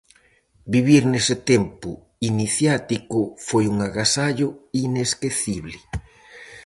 Vivir nese tempo iniciático foi un agasallo inesquecible.